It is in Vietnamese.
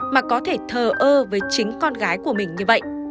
mà có thể thờ ơ với chính con gái của mình như vậy